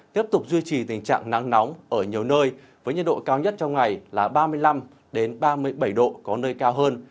tiếp tục duy trì tình trạng nắng nóng ở nhiều nơi với nhiệt độ cao nhất trong ngày là ba mươi năm ba mươi bảy độ có nơi cao hơn